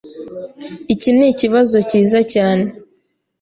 Iki nikibazo cyiza cyane.